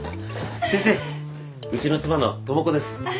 先生うちの妻の朋子です。